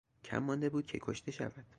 کم مانده بود که کشته شود